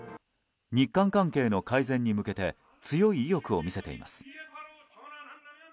日韓関係の改善に向けて強い意欲を見せています。